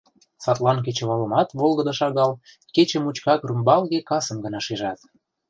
Садлан кечывалымат волгыдо шагал — кече мучкак рӱмбалге касым гына шижат.